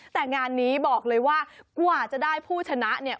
แต่งานนี้บอกเลยว่ากว่าจะได้ผู้ชนะเนี่ย